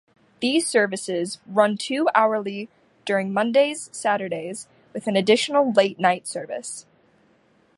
These services run two hourly during Mondays-Saturdays with an additional late night service.